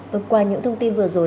vâng qua những thông tin vừa rồi